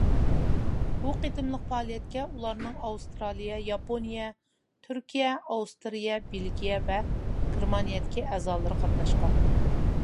بۇ قېتىملىق پائالىيەتكە ئۇلارنىڭ ئاۋسترالىيە، ياپونىيە، تۈركىيە، ئاۋسترىيە، بېلگىيە، ۋە گېرمانىيەدىكى ئەزالىرى قاتناشقان.